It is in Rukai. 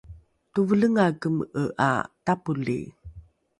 tevelengae keme’e ’a tapoli